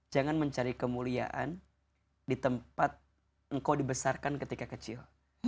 jangan mencari kemuliaan di tempat engkau dibesarkan ketika kecil